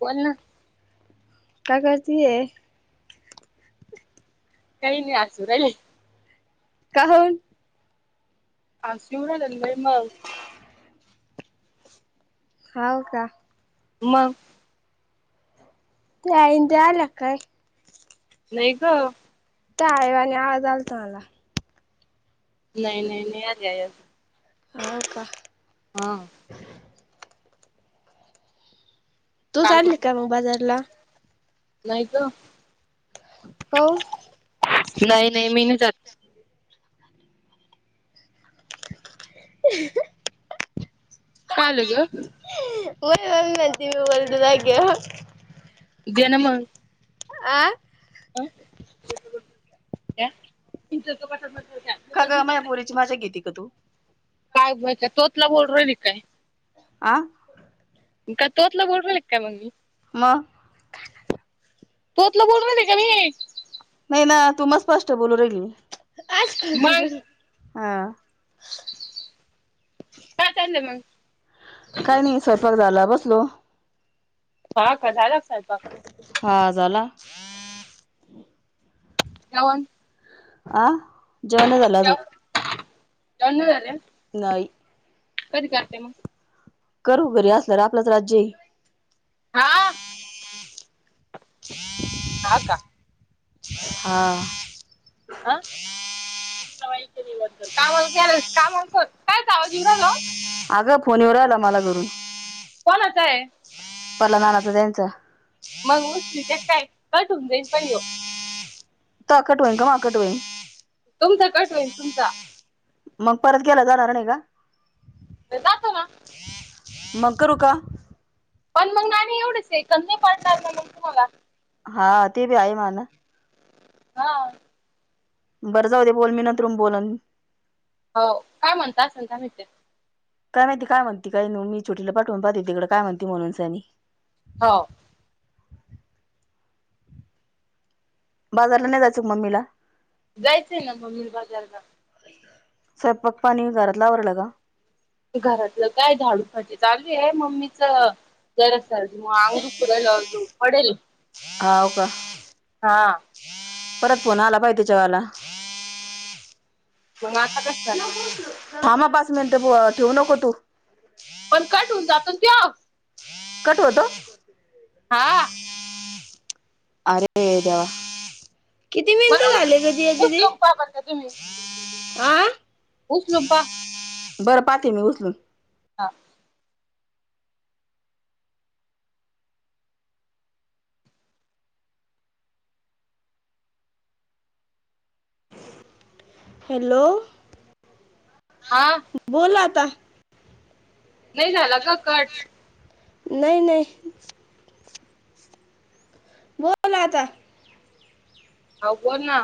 बोल ना का करतीय कळनी हासूर काहून ह शिवरा मग होव का म मग तेई ते आला काय नाही ग आहे आणि आज आल त मला नाही नाही नि हग या हो का हा तू काय चालय करू का मग बाजारला नाही का हो नाही नाही मी नाही त [inaudible] काल ग म म ना त वल्ड लाग्या जनम आह ह का का मायापोरीची माझ्या घेते का तू य तोतला बोल र काय आ का तोतला बोलवले काय मग मी मग तोतलं बोल ना नाही का मी नाही ना तू म स्पष्ट बोलू राहील मग मी हा. चाललं मग काय नाही स्वंयपाक झाला बसलो. हा का झाला का स्वयंपाक? हा झाला? यावन अ जेवण नाही झालं अजून. [unintelligible] झाले. नाही. कधी करते मग. करू घरी असलं आपलंच राज्यय‌ हा, हा का! हा. ह कामाल कामा कायच आवाज उराल अग फोन येऊन राहिला मला घरून. कोण आचा आहे. पला नाना तर त्यांच्या. मग उस् त्यात काय का तुम जाई पण येऊ. तवा कट होईल कवा कट होईल. तुमचा कट होईल तुमचा मग परत गेला जाणार नाही का? जातो ना. मग करु का. पण मग ना एवढेच आहे कंद पाडणार ना मग तुम्हाला? हा ते पण आहे म्हना. हा. बरं जाऊ बोल मी नं नंतरुन बोलल. हो काय म्हणता अस म्हणता मा काय माहिती काय म्हणती काय मी छोटी पाठवून पाहते तिकडे काय म्हणती म्हणून सनी होव बाजारला नाही जायचं मम्मीला. जायचंय ना मम्मी बाजारला. स्वयंपाक पाणी घरात आवरलं का? घरातलं काय झाडू फरशी आहे चालू आहे मम्मीच. जरास मग अंग दुखतय ग मग धूप पडेल. हो का. हा हा. परत फोन आला बाइ त्याच्यावाला. मग आता कस करता. थांब पाच मिनिट ठेवू नको तू. पण कट होऊन जातो न त्यो‌. कट होतो. हा. अरे देवा किती बर मिनिट ऊस झाले ग जिया ऊस ददी. लोंबपा बर का आं उचलुन पहा. बरं पाहते मी उचलून. हां. हॅलो! ‌हा बोल आता नाही झाला का कट नाही नाही बोल आता ह बोल ना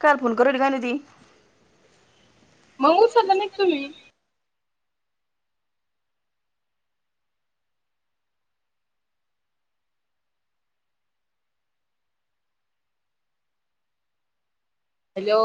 काल फोन कररा कायली ती मग उचलला नाही तुम्ही हॅलो